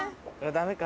ダメか。